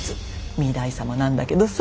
御台様なんだけどさ。